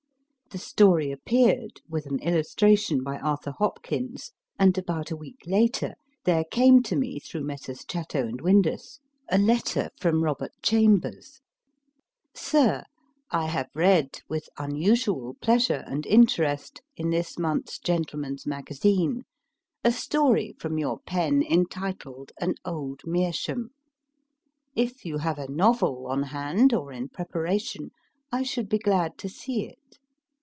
The story appeared, with an illustration by Arthur Hopkins, and, about a week later, there came to me, through Messrs. Chatto & Windus, a letter from Robert Chambers : Sir, I have read, with unusual pleasure and interest, in this month s Gentleman s Magazine, a story from your pen entitled "An Old Meer schaum." If you have a novel on hand, or in preparation, I should be glad to see it.